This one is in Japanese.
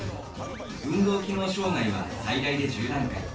運動機能障がいは最大で１０段階。